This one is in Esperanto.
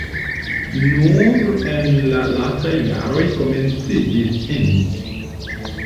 Nur en la lastaj jaroj komenciĝis int.